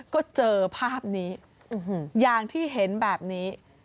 ก็เจอภาพนี้อย่างที่เห็นแบบนี้